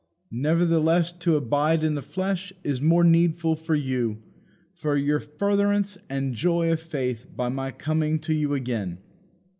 Nevertheless to abide in the flesh is more needful for you, for your furtherance and joy of faith by my coming to you again."